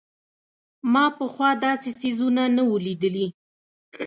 ما پخوا داسې څيزونه نه وو لېدلي.